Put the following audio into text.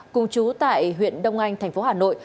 cùng chú tại huyện đông anh thành phố hà nội